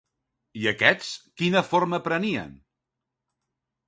I aquests, quina forma prenien?